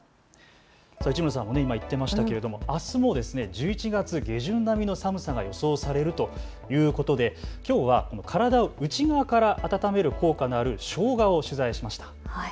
市村さんも今言っていましたけれどもあすも１１月下旬並みの寒さが予想されるということできょうは体を内側から温める効果のあるしょうがを取材しました。